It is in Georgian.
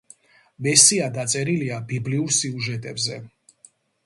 მესია დაწერილია ბიბლიურ სიუჟეტებზე.